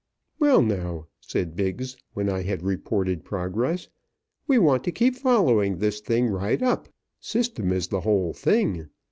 "Well, now," said Biggs, when I had reported progress, "we want to keep following this thing right up. System is the whole thing.